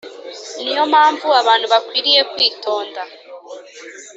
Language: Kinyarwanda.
Ni yo mpamvu abantu bakwiriye kwitonda